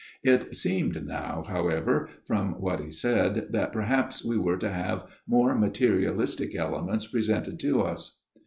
It seemed now, however, from what he said, that perhaps we were to have more materialistic elements presented to us.